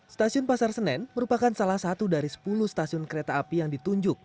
stasiun pasar senen merupakan salah satu dari sepuluh stasiun kereta api yang ditunjuk